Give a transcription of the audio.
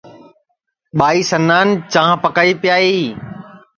ٻائی سنان چاں پکائی پیائی